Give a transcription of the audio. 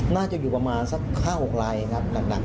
น่าจะอยู่ประมาณสัก๕๖ลายครับหนัก